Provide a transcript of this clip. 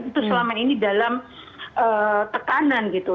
itu selama ini dalam tekanan gitu